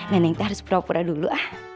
neneknya harus beropera dulu